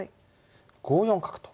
５四角と。